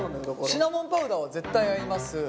シナモンパウダーは絶対合います。